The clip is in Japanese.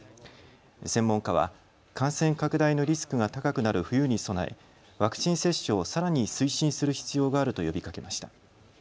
専門家は感染拡大のリスクが高くなる冬に備えワクチン接種をさらに推進する必要があると呼びかけました。